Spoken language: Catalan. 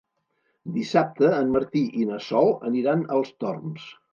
Dissabte en Martí i na Sol aniran als Torms.